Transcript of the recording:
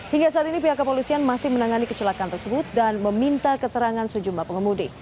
hingga saat ini pihak kepolisian masih menangani kecelakaan tersebut dan meminta keterangan sejumlah pengemudi